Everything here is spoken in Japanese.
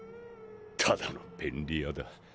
ただの便利屋だ。